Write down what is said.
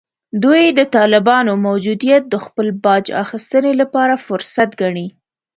دوی د طالبانو موجودیت د خپل باج اخیستنې لپاره فرصت ګڼي